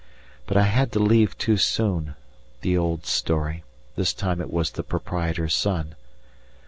But I had to leave too soon the old story! this time it was the proprietor's son.